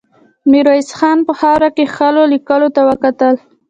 ميرويس خان په خاورو کې کښلو ليکو ته وکتل.